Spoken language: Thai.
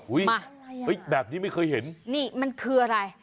มาเฮ้ยแบบนี้ไม่เคยเห็นนี่มันคืออะไร